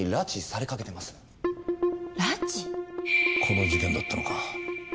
この事件だったのか。